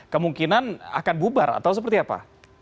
kemungkinan akan bubar atau seperti apa